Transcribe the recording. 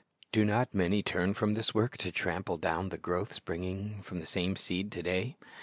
Do not many turn from this w^ork to trample down the growth springing from the same seed to day?